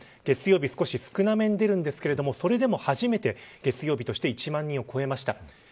月曜日は、少し少なめに出ますがそれでも初めて月曜日として１万人を超えました。